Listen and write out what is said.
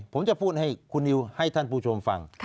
ผมจะพูดให้คุณนิวให้ท่านผู้ชมฟัง